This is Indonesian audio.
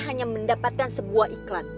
hanya mendapatkan sebuah iklan